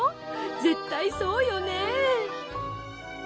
絶対そうよね？